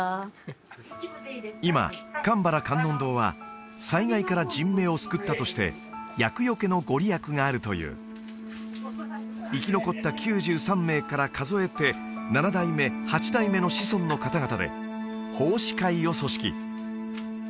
今鎌原観音堂は災害から人命を救ったとして厄よけの御利益があるという生き残った９３名から数えて７代目８代目の子孫の方々で奉仕会を組織